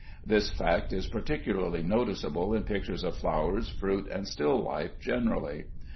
This fact is particularly noticeable in pictures of flowers, fruit, and still life generally.